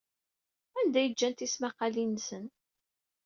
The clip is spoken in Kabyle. Anda ay ǧǧan tisnasɣalin-nsen?